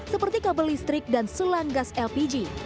seperti kabel listrik dan selang gas lpg